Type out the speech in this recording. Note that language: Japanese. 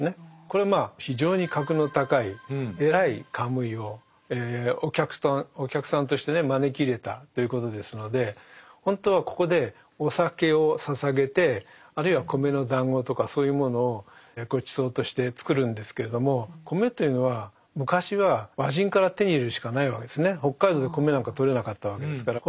これはまあ非常に格の高い偉いカムイをお客さんとしてね招き入れたということですので本当はここでお酒を捧げてあるいは米のだんごとかそういうものをごちそうとして作るんですけれども米というのは昔は北海道で米なんかとれなかったわけですから。